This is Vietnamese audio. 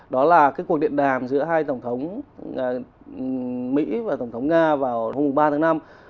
đó là cái cuộc điện đàm giữa hai tổng thống mỹ và tổng thống nga vào hôm ba tháng năm